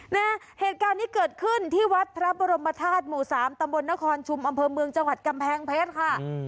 เนี่ยเหตุการณ์ที่เกิดขึ้นที่วัดทรัพย์บรมภาษมุตรสามตำบลนครชุมอำเภอเมืองจังหวัดกำแพงเพชรค่ะอืม